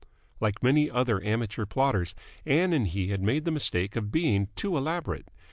Like many other amateur plotters, Ann and he had made the mistake of being too elaborate.